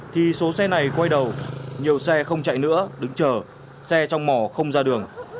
thì số xe này quay đầu nhiều xe không chạy nữa đứng chờ xe trong mỏ không ra đường